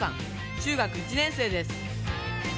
中学１年生です。